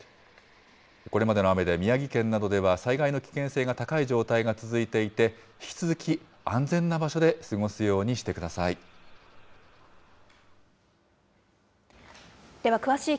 これまでの雨で、宮城県などでは災害の危険性が高い状態が続いていて、引き続き安全な場所で過ごすようにしてください。